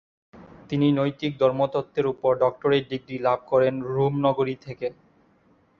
তিনি নৈতিক ধর্মতত্ত্বের উপর ডক্টরেট ডিগ্রি লাভ করেন রোম নগরী থেকে।